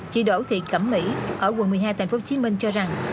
chị đỗ thị cẩm mỹ ở quận một mươi hai tp hcm cho rằng